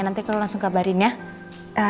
nanti kalau langsung kabarin ya